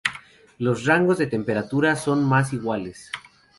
Los rangos de temperatura son más iguales.